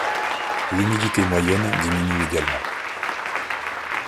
L'humidité moyenne diminue également.